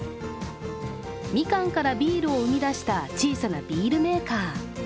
みかんからビールを生み出した小さなビールメーカー。